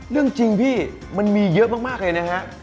เรื่องจริงพี่มันมีเยอะมากเลยนะฮะ